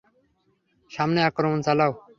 সামনে আক্রমণ চালাও!